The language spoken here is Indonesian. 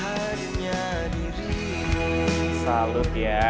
dan hadirnya dirimu